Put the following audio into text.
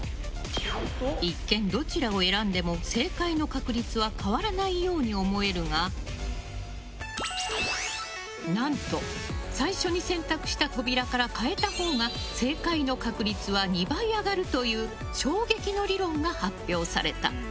一見、どちらを選んでも正解の確率は変わらないように思えるが何と、最初に選択した扉から変えたほうが正解の確率は２倍上がるという衝撃の理論が発表された。